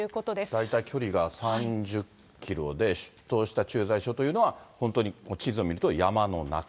大体距離が３０キロで、出頭した駐在所というのは、本当に地図を見ると、山の中。